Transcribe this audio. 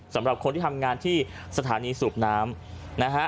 สำหรับคนที่ทำงานที่สถานีสูบน้ำนะฮะ